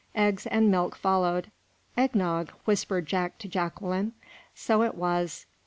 Eggs and milk followed. "Egg nog," whispered Jack to Jacqueline. So it was.